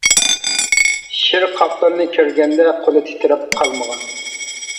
شىر، قاپلاننى كۆرگەندە، قۇلى تىترەپ قالمىغان.